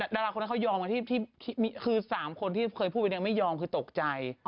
ดาราคนนั้นเขายอมกันที่คือ๓คนที่เคยพูดไปยังไม่ยอมคือตกใจ